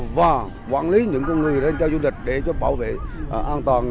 và quản lý những con người lên trao du lịch để cho bảo vệ an toàn